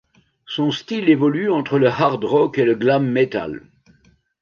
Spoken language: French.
Son style évolue entre le hard rock et le glam metal.